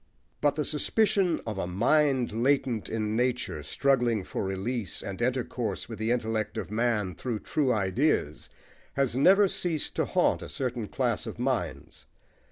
But the suspicion of a mind latent in nature, struggling for release, and intercourse with the intellect of man through true ideas, has never ceased to haunt a certain class of minds.